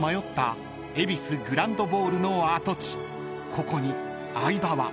［ここに相葉は？］